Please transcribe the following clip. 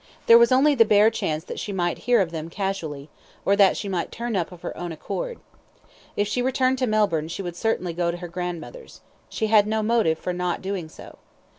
There was only the bare chance that she might hear of them casually, or that she might turn up of her own accord. If she returned to Melbourne she would certainly go to her grandmother's. She had no motive for not doing so.